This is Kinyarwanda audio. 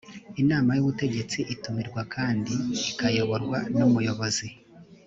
inama y ubutegetsi itumirwa kandi ikayoborwa n’umuyobozi